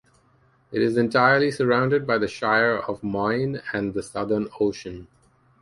It is entirely surrounded by the Shire of Moyne and the Southern Ocean.